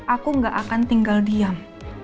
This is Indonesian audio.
aku gak akan tinggal diam